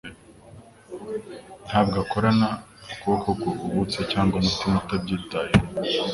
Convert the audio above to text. Ntabwo akorana ukuboko guhubutse cyangwa umutima utabyitayeho.